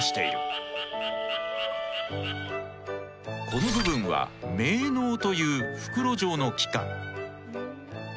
この部分は鳴のうという袋状の器官。